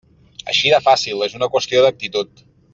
Així de fàcil, és una qüestió d'actitud.